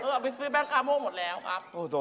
เอาไปซื้อแบงคราโมหมดแล้วครับ